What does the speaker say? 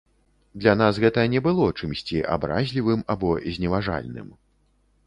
Для нас гэта не было чымсьці абразлівым або зневажальным.